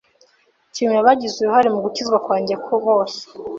nshimiye abagize uruhare mu gukizwa kwanjye bose